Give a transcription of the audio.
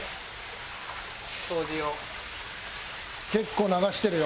結構流してるよ。